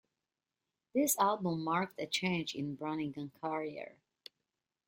This album marked a change in Branigan's career.